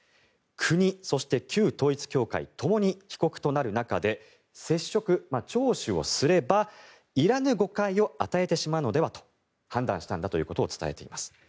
国、そして旧統一教会ともに被告となる中で接触、聴取をすればいらぬ誤解を与えてしまうのではと判断したんだということを伝えています。